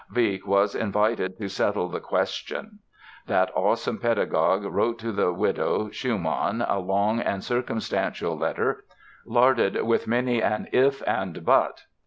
Wieck was invited to settle the question. That awesome pedagogue wrote to the widow Schumann a long and circumstantial letter, larded with many an "if" and "but".